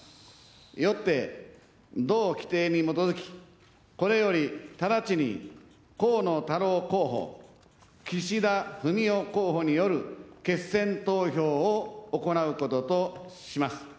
よって、同規程に基づき、これより直ちに河野太郎候補、岸田文雄候補による決選投票を行うこととします。